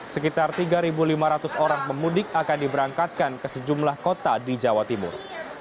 sekitar tiga lima ratus orang pemudik akan diberangkatkan ke sejumlah kota di jawa timur